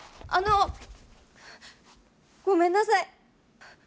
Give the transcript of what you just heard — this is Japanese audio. あの！ごめんなさい。